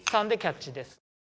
３でキャッチです。